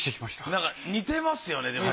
なんか似てますよねでも。